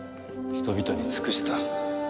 人々に尽くした。